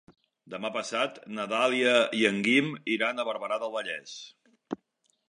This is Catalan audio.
Demà passat na Dàlia i en Guim iran a Barberà del Vallès.